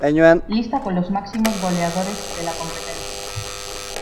Lista con los máximos goleadores de la competencia.